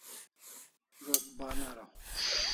Zo't ban araw